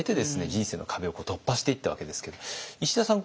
人生の壁を突破していったわけですけど石田さん